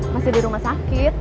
masih di rumah sakit